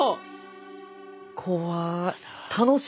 怖い。